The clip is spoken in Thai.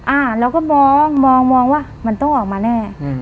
อ่าเราก็มองมองมองว่ามันต้องออกมาแน่อืม